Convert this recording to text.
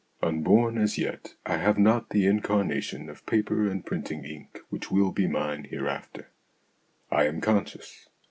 Unborn as yet, I have not the incarnation of paper and printing ink which will be mine hereafter. I am conscious.